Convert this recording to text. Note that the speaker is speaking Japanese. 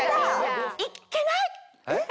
いっけない！